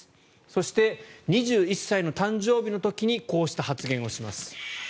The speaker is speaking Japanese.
そして、２１歳の誕生日の時にこうした発言をします。